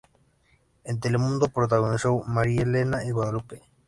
En Telemundo protagonizó Marielena y Guadalupe.